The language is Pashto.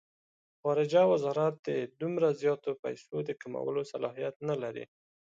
خارجه وزارت د دومره زیاتو پیسو د کمولو صلاحیت نه لري.